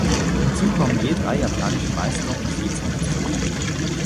Hinzu kommen je drei japanische Meister- und Vizemeistertitel.